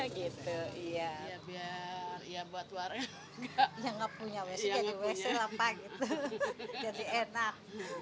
biar buat warga yang gak punya jadi wesel apa gitu jadi enak